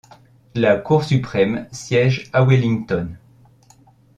La Cour Suprême siège à Wellington.